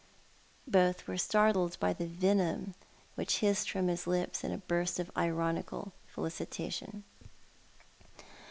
Both were startled by the venom which hissed from his lips in a burst of ironical felicitation.